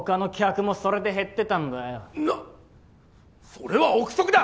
それは憶測だ！